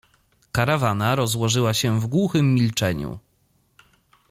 Karawana rozłożyła się w głuchym milczeniu.